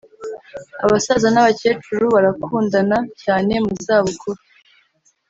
Abasaza n’abacyecuru barakundana cyane muzabukuru